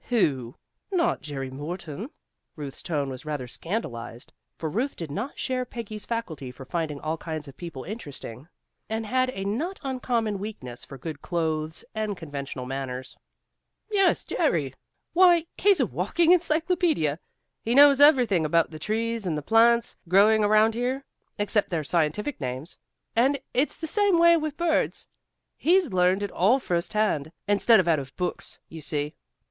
"Who? Not Jerry Morton?" Ruth's tone was rather scandalized, for Ruth did not share Peggy's faculty for finding all kinds of people interesting, and had a not uncommon weakness for good clothes and conventional manners. "Yes, Jerry. Why, he's a walking encyclopedia! He knows everything about the trees and plants growing around here, except their scientific names. And it's the same way with birds. He's learned it all first hand, instead of out of books, you see.